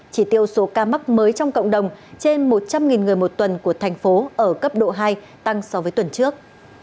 chỉ tiêu số ca mắc mới trong cộng đồng trên một trăm linh người một tuần của thành phố ở cấp độ hai tăng so với tuần trước